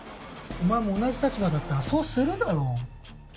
お前も同じ立場だったらそうするだろ？